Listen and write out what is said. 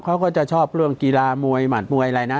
เขาก็จะชอบเรื่องกีฬามวยหมัดมวยอะไรนะ